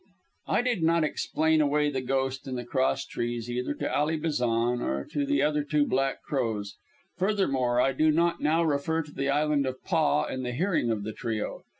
I did not "explain away" the ghost in the crosstrees either to Ally Bazan or to the other two Black Crows. Furthermore, I do not now refer to the Island of Paa in the hearing of the trio.